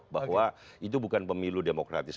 bahwa itu bukan pemilu demokratis